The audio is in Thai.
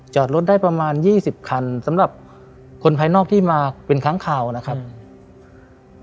จอดรถได้ประมาณยี่สิบคันสำหรับคนภายนอกที่มาเป็นครั้งข่าวนะครับอืม